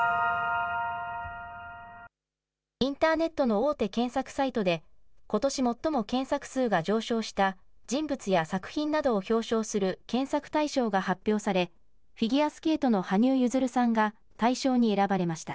インターネットの大手検索サイトで、ことし最も検索数が上昇した人物や作品などを表彰する検索大賞が発表され、フィギュアスケートの羽生結弦さんが大賞に選ばれました。